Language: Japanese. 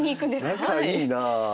仲いいな。